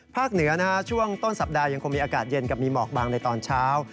เหนือช่วงต้นสัปดาห์ยังคงมีอากาศเย็นกับมีหมอกบางในตอนเช้า